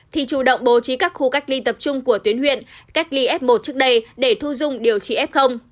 thì chủ động bố trí các khu cách ly tập trung của tuyến huyện cách ly f một trước đây để thu dung điều trị f